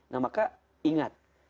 nah maka ingat